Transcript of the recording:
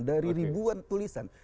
dari ribuan tulisan